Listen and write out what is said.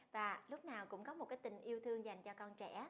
và lúc nào cũng có một cái tình yêu thương dành cho con trẻ